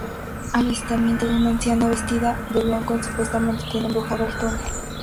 Avistamiento de una anciana vestida de blanco que supuestamente tiene embrujado el túnel.